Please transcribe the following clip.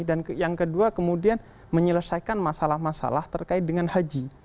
dan yang kedua kemudian menyelesaikan masalah masalah terkait dengan haji